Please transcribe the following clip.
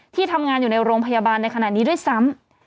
ที่ทำงานอยู่ในโรงพยาบาลในขณะนี้ด้วยซ้ำ